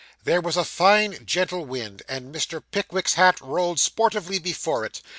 There was a fine gentle wind, and Mr. Pickwick's hat rolled sportively before it.